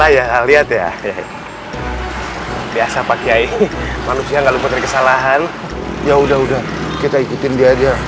hai ala ya lihat ya biasa pakai manusia kalau kesalahan ya udah udah kita ikutin dia aja